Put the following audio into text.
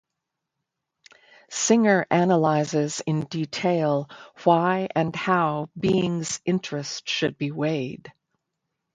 Singer analyzes, in detail, why and how beings' interests should be weighed.